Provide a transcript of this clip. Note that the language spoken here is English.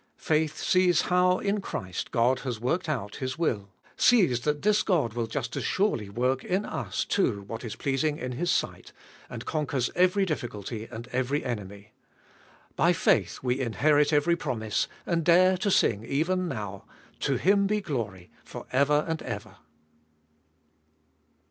Faith sees how in Christ God has worked out His will, sees that this God will just as surely work in us too what 552 cbe holiest ot ail is pleasing in His sight, and conquers every difficulty and every enemy. By faith we inherit every promise, and dare to sing even now : To Him be glory for ever and ever